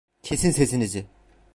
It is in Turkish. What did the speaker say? Kesin sesinizi!